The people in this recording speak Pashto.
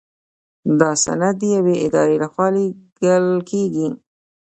دا سند د یوې ادارې لخوا لیږل کیږي.